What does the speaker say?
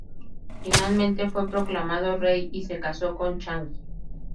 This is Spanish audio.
Finalmente fue proclamado rey y se casó con Chang'e.